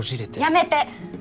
やめて！